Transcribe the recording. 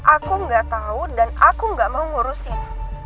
aku gak tau dan aku gak mau ngurusin